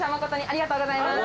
ありがとうございます。